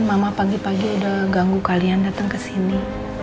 mama pagi pagi ada ganggu kalian datang kesini